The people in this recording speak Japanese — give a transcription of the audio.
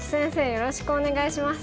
よろしくお願いします。